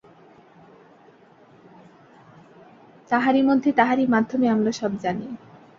তাঁহারই মধ্যে, তাঁহারই মাধ্যমে আমরা সব জানি।